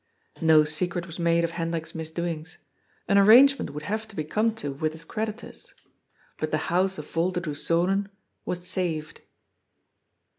No secret was made of Hendrik's misdoings. An arrangement would have to be come to with his creditors. But the house of Volderdoes Zonen was saved.